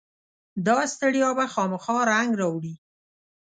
داستړیا به خامخا رنګ راوړي.